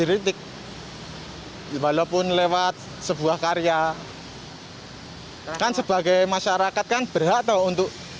hai walaupun lewat sebuah karya hai akan sebagai masyarakat kan berhak tahu untuk